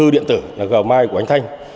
đó là gờ mai của anh thanh